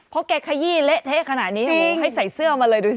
เพราะแกขยี้เละเทะขนาดนี้ดูให้ใส่เสื้อมาเลยดูสิ